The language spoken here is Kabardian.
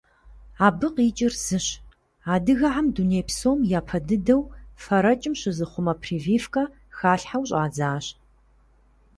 Абы къикӏыр зыщ: адыгэхэм дуней псом япэ дыдэу фэрэкӏым щызыхъумэ прививкэ халъхьэу щӏадзащ.